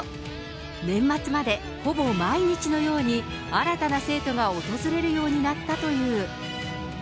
年末までほぼ毎日のように、新たな生徒が訪れるようになったという。